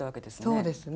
そうですね。